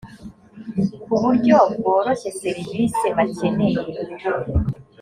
ku buryo bworoshye serivisi bakeneye